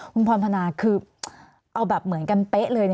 คุณพรพนาคือเอาแบบเหมือนกันเป๊ะเลย